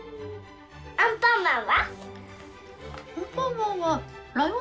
アンパンマンは？